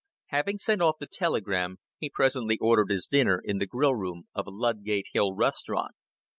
Having sent off the telegram, he presently ordered his dinner in the grill room of a Ludgate Hill restaurant.